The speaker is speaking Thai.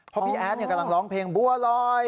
เพราะพี่แอดกำลังร้องเพลงบัวลอย